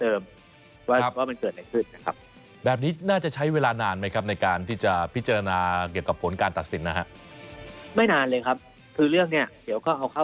คิดว่าคงไม่กี่วันเมื่อคณะกรรมการเขาเรียกเชิญผู้เศรษฐ์เข้ามา